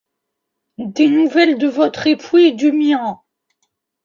Des nouvelles de votre époux et du mien.